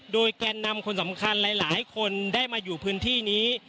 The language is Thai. โดยแกนนำคนสำคัญหลายคนได้มาอยู่พื้นที่นี้